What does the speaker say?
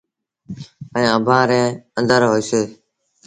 ائيٚݩٚ اڀآنٚ ري اندر هوئيٚسي۔